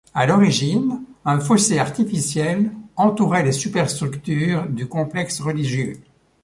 À l'origine, un fossé artificiel entourait les superstructures du complexe religieux.